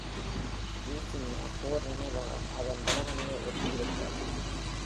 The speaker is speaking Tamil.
விர்ஜீனியா போர் நினைவகம் அதன் வடமுனையை ஒட்டியிருக்கிறது.